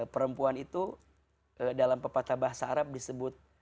perempuan itu dalam pepatah bahasa arab disebut